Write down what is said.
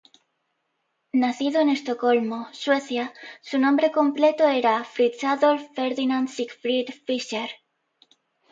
Nacido en Estocolmo, Suecia, su nombre completo era Fritz Adolf Ferdinand Siegfried Fischer.